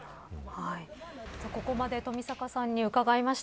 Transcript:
ここまで富坂さんに伺いました。